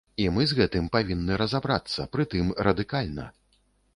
І мы з гэтым павінны разабрацца, прытым радыкальна.